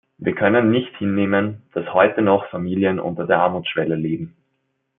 Wir können nicht hinnehmen, dass heute noch Familien unter der Armutsschwelle leben.